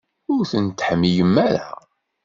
Ur ten-tḥemmlem ara?